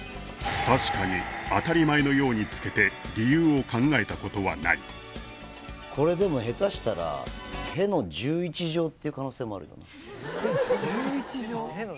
確かに当たり前のようにつけて理由を考えたことはないこれでも下手したらっていう可能性もあるよね